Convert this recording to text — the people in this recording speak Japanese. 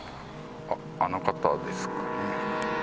あっあの方ですかね。